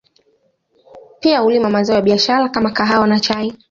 Pia hulima mazao ya biashara kama kahawa na chai